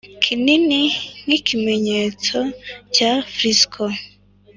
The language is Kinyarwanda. kinini nkikimenyetso cya frisco